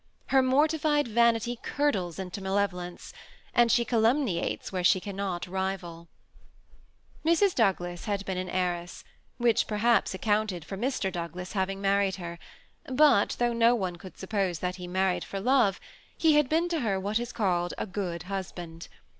Her mortified vanity curdles into ma levolence ; and she calumniates where she cannot rival. Mrs. Douglas had been an heiress, which perhaps accounted for Mr. Douglas having married her; but though no one could suppose that he married for love, he had been to her what is called a good husband.